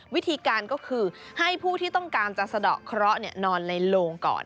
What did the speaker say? วิธีการก็คือให้ผู้ที่ต้องการจะสะดอกเคราะห์นอนในโลงก่อน